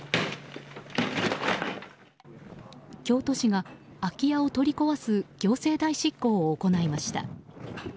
京都市が、空き家を取り壊す行政代執行を行いました。